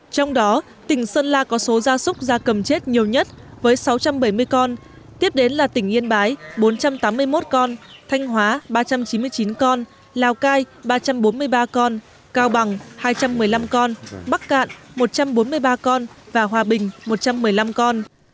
trong đó tỉnh sơn la có số gia súc gia cầm chết nhiều nhất với sáu trăm bảy mươi con tiếp đến là tỉnh yên bái bốn trăm tám mươi một con thanh hóa ba trăm chín mươi chín con lào cai ba trăm bốn mươi ba con cao bằng hai trăm một mươi năm con bắc cạn một trăm bốn mươi ba con và hòa bình một trăm một mươi năm con